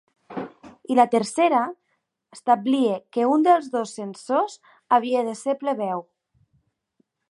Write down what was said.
I la tercera establia que un dels dos censors havia de ser plebeu.